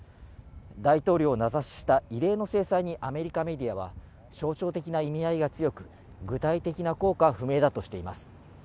大統領を名指しした異例の制裁にアメリカメディアは、象徴的な意味合いが強く、具体的な効果は不明だとしています。